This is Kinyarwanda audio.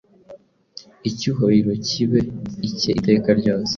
Icyubahiro kibe icye iteka ryose.”